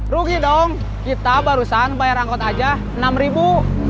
rugi dong kita barusan bayar angkot aja enam ribu